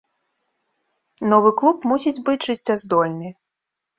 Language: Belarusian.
Новы клуб мусіць быць жыццяздольны.